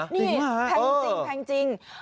จริงเยอะมากน่ะแพงจริง